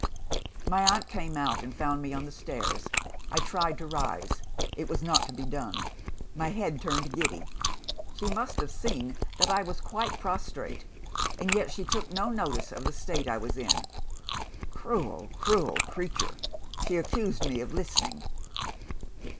"My aunt came out, and found me on the stairs. I tried to rise. It was not to be done. My head turned giddy. She must have seen that I was quite prostrate and yet she took no notice of the state I was in. Cruel, cruel creature! she accused me of listening.